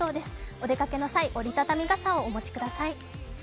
お出かけの際、折り畳み傘をお持ちください。